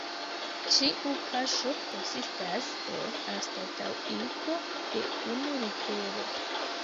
Ĉiu paŝo konsistas el anstataŭigo de unu litero.